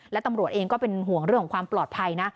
และตำรวจเองก็เป็นห่วงเรื่องของความปลอดภัยนะ